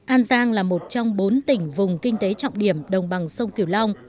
an giang là một trong bốn tỉnh vùng kinh tế trọng điểm đồng bằng sông kiều long